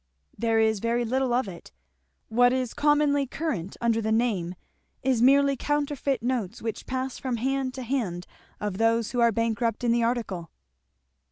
"There is very little of it. What is commonly current under the name is merely counterfeit notes which pass from hand to hand of those who are bankrupt in the article."